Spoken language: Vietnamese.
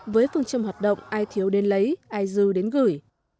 với phương châm hoạt động ai thiếu đến lấy ai dư đến gửi